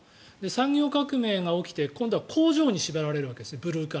産業革命が起きて今度は工場に縛られるわけです。